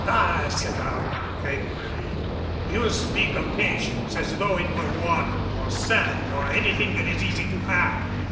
"Bah!" said Arlac, angrily, "you speak of patience as though it were water or sand or anything that is easy to have.